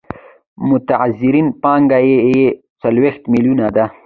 متغیره پانګه یې څلوېښت میلیونه ده